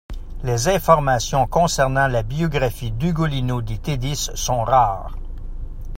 Les informations concernant la biographie d'Ugolino di Tedice sont rares.